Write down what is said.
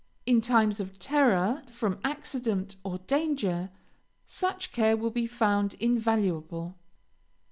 In times of terror, from accident or danger, such care will be found invaluable.